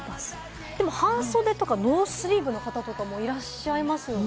半袖とかノースリーブの方とかもいらっしゃいますよね。